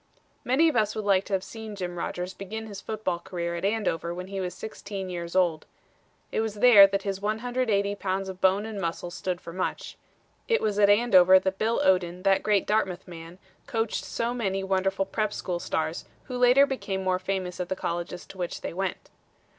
Many of us would like to have seen Jim Rodgers begin his football career at Andover when he was sixteen years old. It was there that his 180 pounds of bone and muscle stood for much. It was at Andover that Bill Odlin, that great Dartmouth man, coached so many wonderful prep. school stars, who later became more famous at the colleges to which they went.